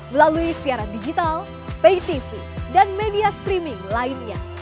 melalui siaran digital pay tv dan media streaming lainnya